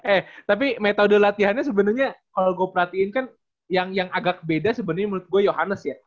eh tapi metode latihannya sebenernya kalo gue perhatiin kan yang agak beda sebenernya menurut gue yohannes ya